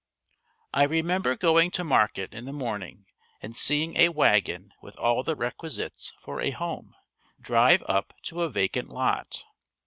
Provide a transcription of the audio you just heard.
I remember going to market in the morning and seeing a wagon with all the requisites for a home, drive up to a vacant lot.